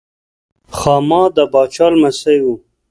خاما د پاچا لمسی و.